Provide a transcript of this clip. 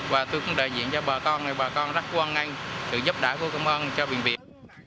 và tôi cũng đại diện cho bà con bà con rất quân anh sự giúp đỡ và cảm ơn cho bệnh viện